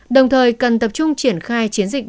đồng thời cần tập trung triển khai chiến dịch